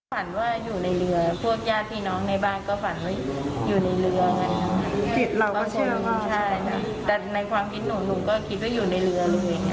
ฝันว่าอยู่ในเรือ